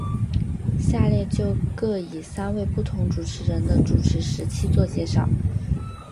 下列就各以三位不同主持人的主持时期做介绍。